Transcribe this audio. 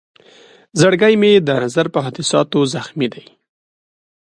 زړګی مې د نظر په حادثاتو زخمي دی.